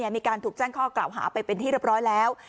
มีการถูกแจ้งข้อกล่าวหาไปเป็นที่เรียบร้อยแล้ว